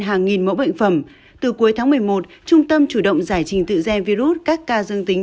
hàng nghìn mẫu bệnh phẩm từ cuối tháng một mươi một trung tâm chủ động giải trình tự gen virus các ca dương tính